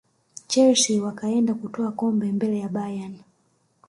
chelsea wakaenda kutwaa kombe mbele ya bayern